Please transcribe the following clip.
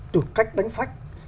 từ cách đánh phách